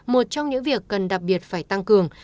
một trong những việc cần đặc biệt phải tăng cường